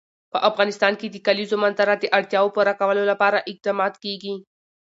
په افغانستان کې د کلیزو منظره د اړتیاوو پوره کولو لپاره اقدامات کېږي.